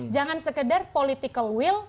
jangan sekedar political will